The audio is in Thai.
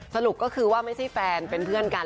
สรุปก็คือว่าไม่ใช่แฟนเป็นเพื่อนกัน